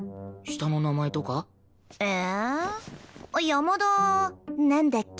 「山田」なんだっけ？